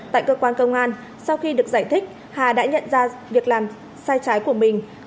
tại cơ quan công an sau khi được giải thích hà đã nhận ra việc làm sai trái của mình